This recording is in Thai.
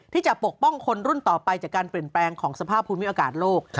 ปกป้องคนรุ่นต่อไปจากการเปลี่ยนแปลงของสภาพภูมิอากาศโลก